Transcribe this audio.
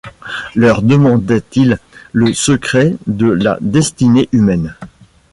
leur demandait-il le secret de la destinée humaine ?